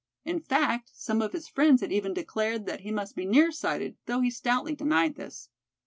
In fact, some of his friends had even declared that he must be near sighted, though he stoutly denied this.